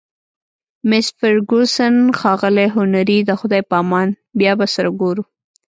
مس فرګوسن: ښاغلی هنري، د خدای په امان، بیا به سره ګورو.